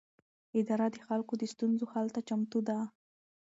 اداره د خلکو د ستونزو حل ته چمتو ده.